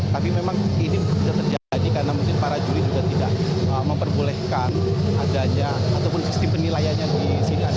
tapi memang ini sudah terjadi karena mungkin para juri juga tidak memperbolehkan adanya ataupun sistem penilaiannya di sini